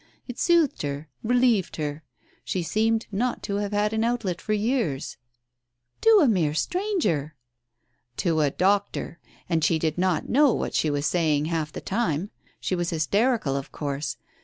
It soothed her — relieved her — §he seemed not to have had an outlet for years !" "To a mere stranger !" "To a doctor. And she did not know what she was saying half the time. She was hysterical, of course.